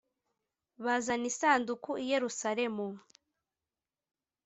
bazana isanduku i yerusalemu